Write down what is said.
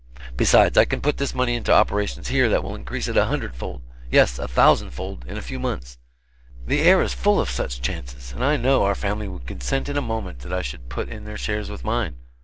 Besides, I can put this money into operations here that will increase it a hundred fold, yes, a thousand fold, in a few months. The air is full of such chances, and I know our family would consent in a moment that I should put in their shares with mine.